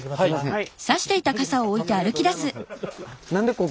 はい。